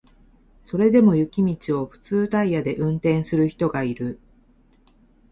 それでも雪道を普通タイヤで運転する人がいる